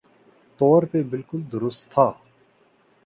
طور پہ بالکل درست تھا